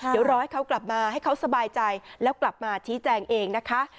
เดี๋ยวรอให้เขากลับมาให้เขาสบายใจแล้วกลับมาชี้แจงเองนะคะ